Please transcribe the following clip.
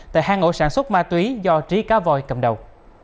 tại hai ổ sản xuất ma túy do trí cá voi cầm đầu